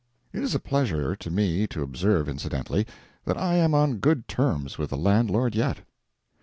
[It is a pleasure to me to observe, incidentally, that I am on good terms with the landlord yet.